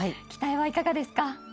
期待はいかがですか？